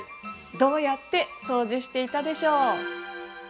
どうやって掃除していたでしょう。